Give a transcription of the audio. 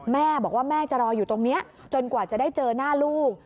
แม่บอกว่าแม่จะรออยู่ตรงนี้จนกว่าจะได้เจอหน้าลูก